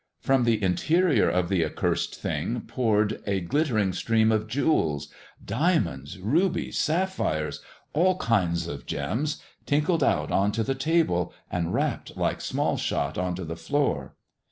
From the interior of the accursed thing poured a glittering stream of jewels. Diamonds, rubies, sapphires — all kinds of gems — tinkled out on to the table, and rapped like small shot on to the floor.